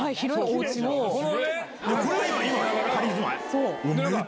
そう。